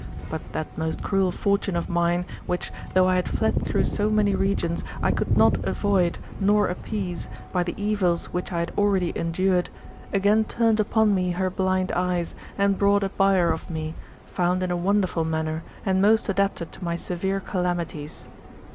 But that most cruel Fortune of mine, which, though I had fled through so many regions, I could not avoid, nor appease, by the evils which I had already endured, again turned upon me her blind eyes, and brought a buyer of me, found in a wonderful manner, and most adapted to my severe calamities.